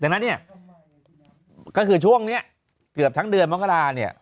ดังนั้นเนี่ยก็คือช่วงนี้เกือบทั้งเดือนมกราเนี่ย